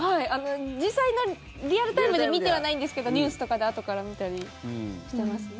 実際、リアルタイムで見てはないんですがニュースとかであとから見たりしてますね。